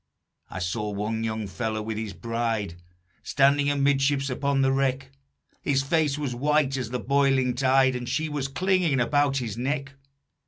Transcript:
"I saw one young fellow with his bride, Standing amidships upon the wreck; His face was white as the boiling tide, And she was clinging about his neck.